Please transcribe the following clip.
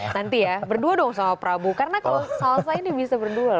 nanti ya berdua dong sama prabu karena kalau salsa ini bisa berdua